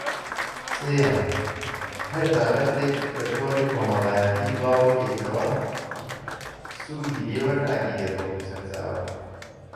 سێیەم: هەر بابەتێک لە تۆڕی کۆمەڵایەتی بڵاوبکەیتەوە، سوودی لێ وەرناگیرێت وەکو سەرچاوە